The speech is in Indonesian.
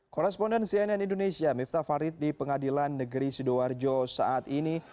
koresponden cnn indonesia miftah farid di pengadilan negeri sidoarjo saat ini